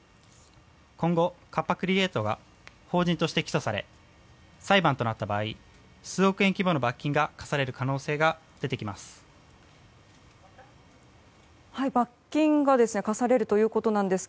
今後、カッパ・クリエイトが法人として起訴され裁判となった場合数億円規模の罰金が科される可能性が出てきます。